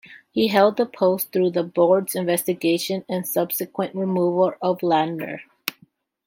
He held that post through the Board's investigation and subsequent removal of Ladner.